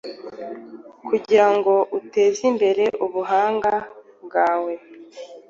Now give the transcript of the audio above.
kugirango utezimbere ubuhanga bwawe